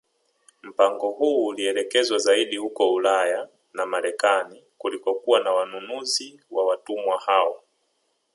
Mpango huu ulielekezwa zaidi huko Ulaya na Marekani kulikokuwa na wanunuzi wa watumwa hao